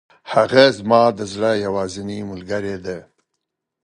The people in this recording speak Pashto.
هغه زما د زړه یوازینۍ ملګرې ده.